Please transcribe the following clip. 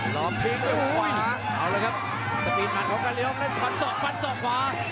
หลอบทิ้งด้วยขวาเอาเลยครับสปีนมันของกัลลี่รอบเล่นฟันสอบฟันสอบขวา